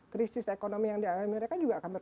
krisis ekonomi yang dianggap mereka juga berdampak